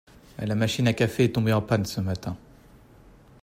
La machine à café est tombée en panne ce matin.